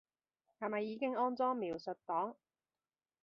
係咪已經安裝描述檔